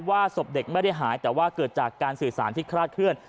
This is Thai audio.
ศพเด็กไม่ได้หายแต่ว่าเกิดจากการสื่อสารที่คลาดเคลื่อน